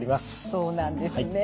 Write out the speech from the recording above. そうなんですね。